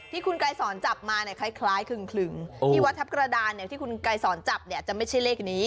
ที่คุณไกรสอนจับมาเนี่ยคล้ายคลึงที่วัดทัพกระดานอย่างที่คุณไกรสอนจับเนี่ยจะไม่ใช่เลขนี้